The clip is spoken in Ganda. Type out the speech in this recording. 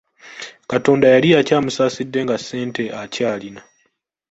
Katonda yali akyamusaasidde nga ssente akyalina.